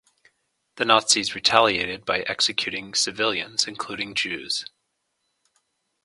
The Nazis retaliated by executing civilians including Jews.